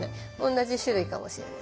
同じ種類かもしれない。